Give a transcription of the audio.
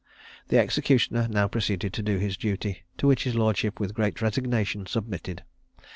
The executioner now proceeded to do his duty, to which his lordship, with great resignation, submitted.